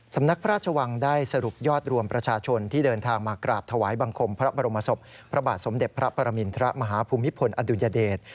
สำนักพระราชวังได้สรุปยอดรวมประชาชนที่เดินทางมากราบถวายบังคมพระบรมศพพระบาทสมเด็จพระปรมินทรมาฮภูมิพลอดุลยเดช